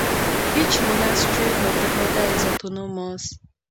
Each monastery of the order is autonomous.